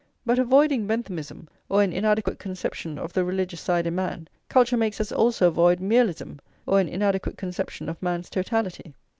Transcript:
But avoiding Benthamism, or an inadequate conception of the religious side in man, culture makes us also avoid Mialism, or an inadequate conception of man's totality.